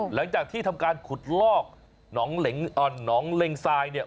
หลังจากที่ทำการขุดลอกหนองเล็งทรายเนี่ย